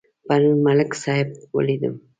پرون ملک صاحب ولیدم.